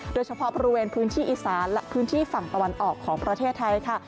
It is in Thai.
โดยเฉพาะบริเวณพื้นที่อีสานและพื้นที่ฝั่งตะวันออกของประเทศไทยค่ะ